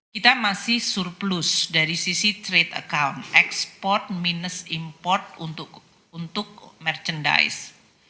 kita masih surplus dari sisi trade account ekspor minus import untuk merchandise